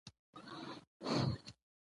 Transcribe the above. تاریخ د خپل ولس پېژندګلوۍ ده.